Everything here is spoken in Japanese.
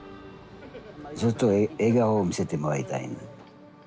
ずっと笑顔を見せてもらいたいな。